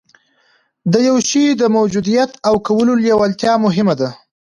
د يوه شي د موجوديت او کولو لېوالتيا مهمه ده.